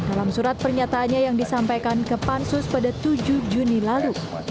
dalam surat pernyataannya yang disampaikan ke pansus pada tujuh juni lalu